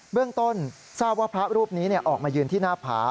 เรื่องต้นทราบว่าพระรูปนี้ออกมายืนที่หน้าผา